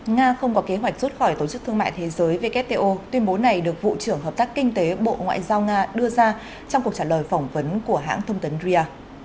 nga không có kế hoạch rút khỏi tổ chức thương mại thế giới wto tuyên bố này được vụ trưởng hợp tác kinh tế bộ ngoại giao nga đưa ra trong cuộc trả lời phỏng vấn của hãng thông tấn ria